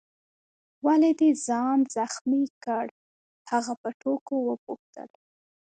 ولي دي ځان زخمي کړ؟ هغه په ټوکو وپوښتل.